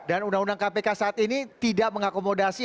dan undang undang kpk saat ini tidak mengakomodasi